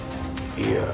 いや。